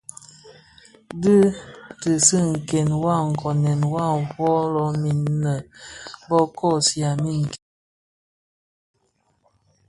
Dhi dhesi nken wa nkonen waa folomin innë bo kosigha min nken.